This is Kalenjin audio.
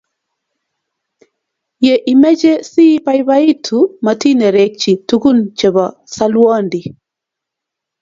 Ye imeche si baibaitu matinerekchi tugun chebo salwondi